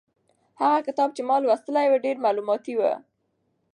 هغه کتاب چې ما لوستلی و ډېر مالوماتي و.